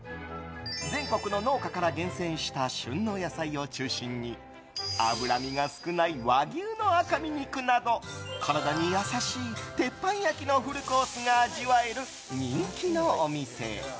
全国の農家から厳選した旬の野菜を中心に脂身が少ない和牛の赤身肉など体に優しい鉄板焼きのフルコースが味わえる人気のお店。